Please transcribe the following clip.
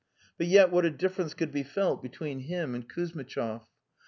But yet what a difference could be felt between him and Kuz mitchov!